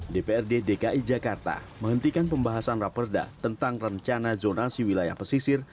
dprd dki jakarta menghentikan pembahasan raperda tentang rencana zonasi wilayah pesisir